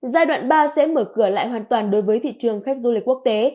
giai đoạn ba sẽ mở cửa lại hoàn toàn đối với thị trường khách du lịch quốc tế